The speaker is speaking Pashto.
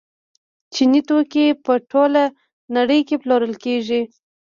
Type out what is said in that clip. چیني توکي په ټوله نړۍ کې پلورل کیږي.